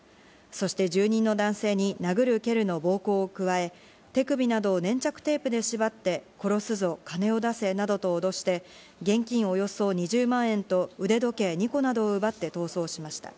そして住人の男性に殴る蹴るの暴行を加え、手首などを粘着テープで縛って、殺すぞ、金を出せなどと脅して、現金およそ２０万円と腕時計２個などを奪って逃走しました。